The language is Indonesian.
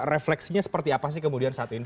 refleksinya seperti apa sih kemudian saat ini